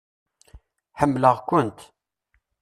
Ḥemmleɣ-kent.